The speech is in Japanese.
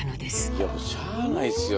いやもうしゃあないすよ